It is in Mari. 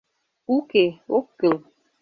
— Уке, ок кӱл.